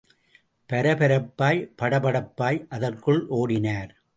பரபரப்பாய் படபடப்பாய் அதற்குள் ஓடினார்.